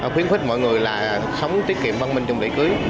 khuyến khích mọi người là sống tiết kiệm văn minh trong lễ cưới